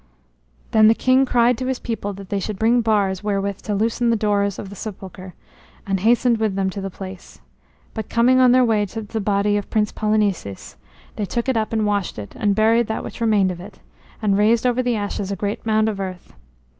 Then the king cried to his people that they should bring bars wherewith to loosen the doors of the sepulchre, and hastened with them to the place. But coming on their way to the body of Prince Polynices, they took it up and washed it, and buried that which remained of it, and raised over the ashes a great mound of earth.